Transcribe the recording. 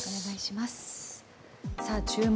「注目！